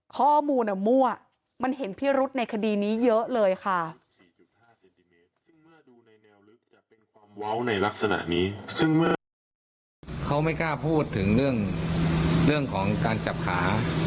ข้อมูลมั่วมันเห็นพิรุษในคดีนี้เยอะเลยค่ะ